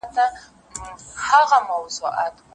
یو بوډا چي وو څښتن د کړوسیانو